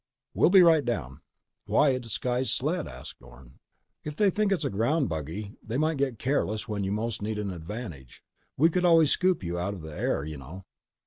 "We'll be right down." "Why a disguised sled?" asked Orne. "If they think it's a ground buggy, they might get careless when you most need an advantage. We could always scoop you out of the air, you know."